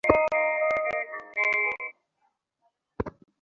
পেয়েছে ঐ অভিশপ্ত দেয়ালে তোর বয়ফ্রেন্ডের নাম।